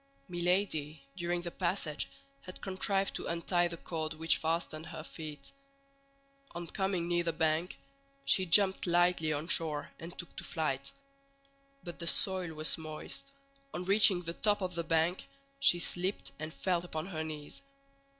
Milady, during the passage had contrived to untie the cord which fastened her feet. On coming near the bank, she jumped lightly on shore and took to flight. But the soil was moist; on reaching the top of the bank, she slipped and fell upon her knees.